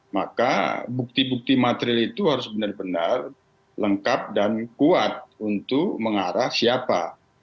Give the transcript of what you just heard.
maka bukti bukti material itu harus benar benar lengkap dan kuat untuk mengarah siapa